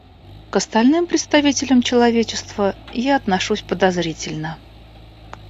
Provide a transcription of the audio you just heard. К остальным представителям человечества я отношусь подозрительно.